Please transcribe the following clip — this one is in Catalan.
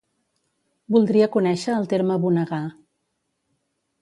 Voldria conèixer el terme bonegar.